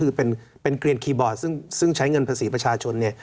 คือเป็นเกลียนคีย์บอร์ดซึ่งใช้เงินภาษีประชาชนเนี่ย